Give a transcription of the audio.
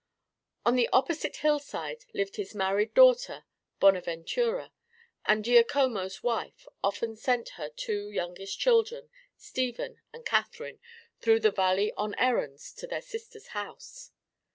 On the opposite hillside lived his married daughter Bonaventura, and Giacomo's wife often sent her two youngest children, Stephen and Catherine, through the valley on errands to their sister's house.